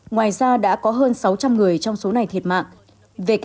ngoài ra đã có hơn sáu trăm linh người trong số này thiệt mạng